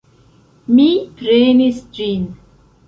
Mi prenis ĝin.